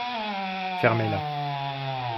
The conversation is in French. fermez-là.